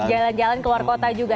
jalan jalan keluar kota juga